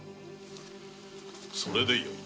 それでよい。